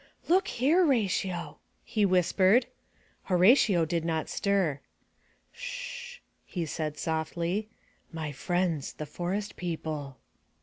"Look here. Ratio,*' he whispered. Horatio did not stir. "Sh h!" he said, softly. "My friends— the forest people."